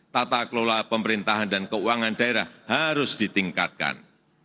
tata kelola pemerintahan dan keuangan daerah harus ditingkatkan